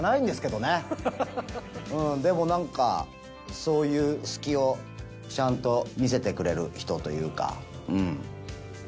でも何かそういう隙をちゃんと見せてくれる人というか。